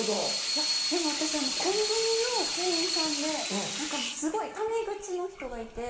いやでも私コンビニの店員さんで何かすごいタメ口の人がいて。